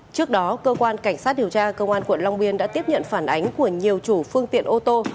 trước đó cơ quan cảnh sát điều tra công an quận long biên đã tiếp nhận phản ánh của nhiều chủ phương tiện ô tô